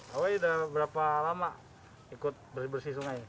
hawai udah berapa lama ikut bersih bersih sungai